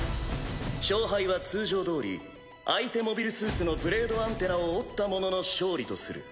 勝敗は通常どおり相手モビルスーツのブレードアンテナを折った者の勝利とする。